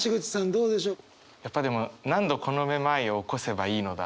どうでしょう？